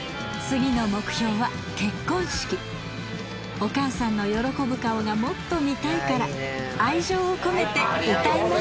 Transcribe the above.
お母さんの喜ぶ顔がもっと見たいから愛情を込めて歌います。